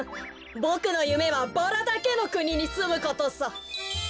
ボクのゆめはバラだけのくににすむことさ。